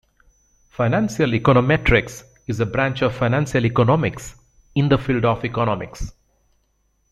Financial econometrics is a branch of financial economics, in the field of economics.